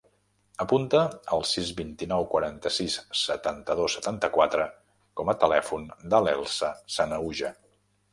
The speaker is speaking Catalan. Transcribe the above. Apunta el sis, vint-i-nou, quaranta-sis, setanta-dos, setanta-quatre com a telèfon de l'Elsa Sanahuja.